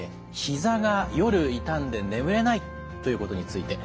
ひざが夜痛んで眠れないということについて。